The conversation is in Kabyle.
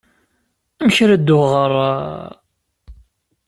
Amek ara dduɣ ɣer...?